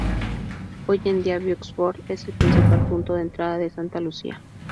Hoy en día, Vieux Fort es el principal punto de entrada de Santa Lucía.